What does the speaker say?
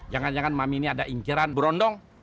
jangan jangan mami ini ada ingkiran berondong